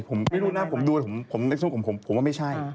ผมไม่รู้นะผมดูผมว่าไม่ใช่